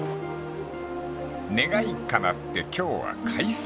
［願いかなって今日は快晴］